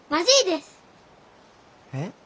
えっ？